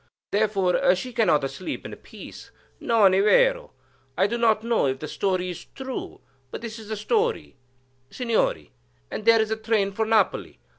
Therefore she cannot sleep in peace,—non è vero? I do not know if the story is true, but this is the story, Signori, and there is the train for Napoli.